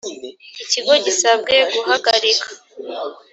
ikigo gisabwe guhagarika